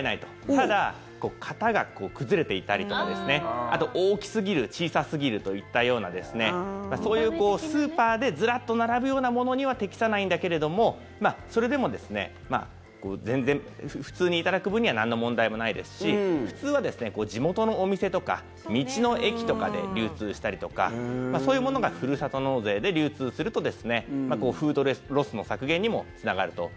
ただ、形が崩れていたりとかあと大きすぎる小さすぎるといったようなそういうスーパーでずらっと並ぶようなものには適さないんだけれどもそれでも全然普通にいただく分にはなんの問題もないですし普通は地元のお店とか道の駅とかで流通したりとかそういうものがふるさと納税で流通するとフードロスの削減にもつながると。